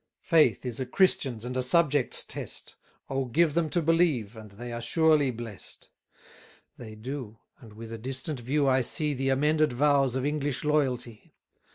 Faith is a Christian's and a subject's test, O give them to believe, and they are surely blest! They do; and with a distant view I see The amended vows of English loyalty.